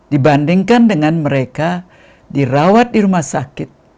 dibandingkan dengan mereka dirawat di rumah sakit